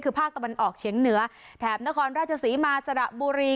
คือภาคตะวันออกเฉียงเหนือแถบนครราชศรีมาสระบุรี